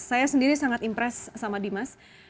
saya sendiri sangat impress sama dimas